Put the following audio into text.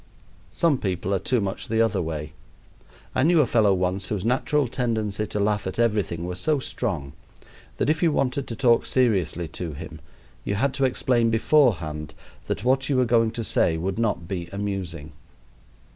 Some people are too much the other way. I knew a fellow once whose natural tendency to laugh at everything was so strong that if you wanted to talk seriously to him, you had to explain beforehand that what you were going to say would not be amusing.